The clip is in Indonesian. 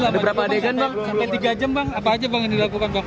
ada berapa adegan bang sampai tiga jam bang apa aja yang dilakukan bang